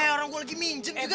orang gua lagi minjem juga